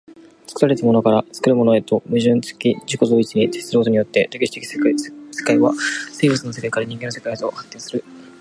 作られたものから作るものへとして、矛盾的自己同一に徹することによって、歴史的世界は生物の世界から人間の世界へと発展する。